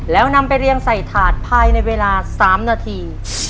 แล้วนำไปเรียงใส่ถาดภายในเวลา๓นาที